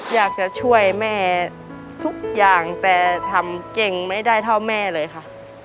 อยากจะช่วยแม่ทุกอย่างแต่ทำเก่งไม่ได้เท่าแม่เลยค่ะ